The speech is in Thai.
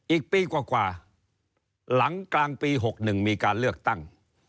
อีกปีกว่าหลังกลางปี๖๑มีการเลือกตั้ง